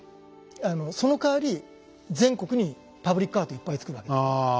あのそのかわり全国にパブリックアートをいっぱいつくるわけです。